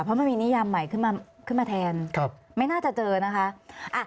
เพราะมันมีนิยามใหม่ขึ้นมาแทนไม่น่าจะเจอนะคะ